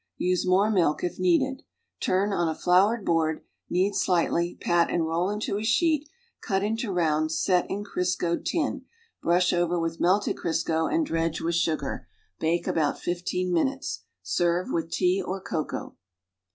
Use more milk if needed. Turn on a flqurcd board, knead slightly, pat and roll into a sheet, cut into rounds, set in Oiscoed tin, brush o\'er with melted Crisco and dredge wdth sugar; bake about fifteen minutes. Serve with tea or cocoa.